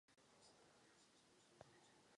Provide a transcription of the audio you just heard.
Poprvé se hrálo čtvrtfinále.